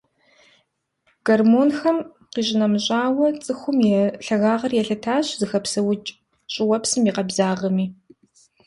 Гормонхэм къищынэмыщӀауэ, цӀыхум и лъагагъэр елъытащ зыхэпсэукӀ щӀыуэпсым и къабзагъэми.